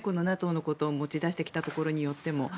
このＮＡＴＯのことを持ち出してきたことによっても。